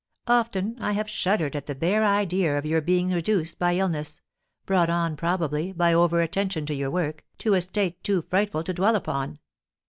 Often have I shuddered at the bare idea of your being reduced by illness (brought on, probably, by overattention to your work) to a state too frightful to dwell upon.